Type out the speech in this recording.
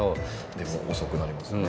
でも遅くなりますよね。